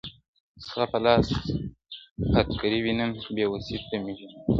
ستا په لاس هتکړۍ وینم بې وسۍ ته مي ژړېږم -